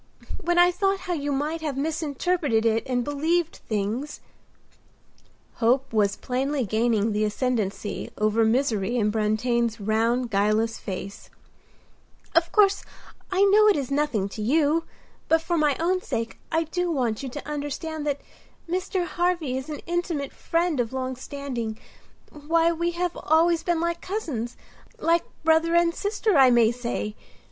When I thought how you might have misinterpreted it, and believed things"—hope was plainly gaining the ascendancy over misery in Brantain's round, guileless face—"Of course, I know it is nothing to you, but for my own sake I do want you to understand that Mr. Harvy is an intimate friend of long standing. Why, we have always been like cousins—like brother and sister, I may say.